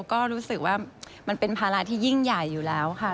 ก็รู้สึกว่ามันเป็นภาระที่ยิ่งใหญ่อยู่แล้วค่ะ